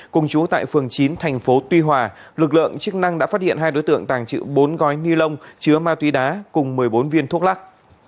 cùng chú tại phường chín thành phố tuy hòa lực lượng chức năng đã phát hiện hai đối tượng tàng chữ bốn gói ni lông chứa ma túy đá cùng một mươi bốn viên thuốc lắc